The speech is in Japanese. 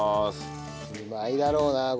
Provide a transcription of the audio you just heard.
うまいだろうなこれ。